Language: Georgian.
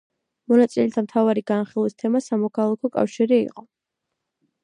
მონაწილეთა მთავარი განხილვის თემა სამოქალაქო კავშირი იყო.